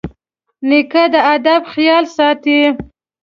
نیکه د ادب خیال ساتي.